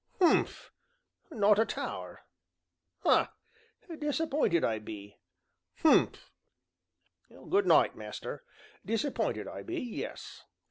Humph not a tower ha! disapp'inted I be. Humph! Good night, master. Disapp'inted I be yes."